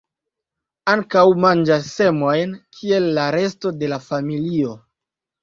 Ankaŭ manĝas semojn, kiel la resto de la familio.